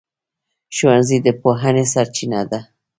ښوونځی د پوهنې سرچینه ده.